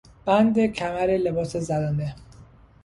بند کمر لباس زنانه